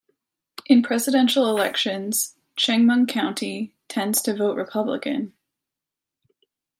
In presidential elections Chemung County tends to vote Republican.